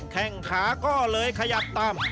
แข่งขาก็เลยขยับตาม